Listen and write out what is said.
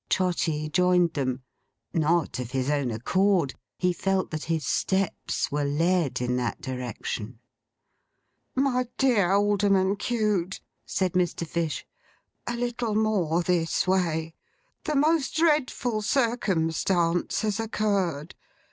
Trotty joined them. Not of his own accord. He felt that his steps were led in that direction. 'My dear Alderman Cute,' said Mr. Fish. 'A little more this way. The most dreadful circumstance has occurred.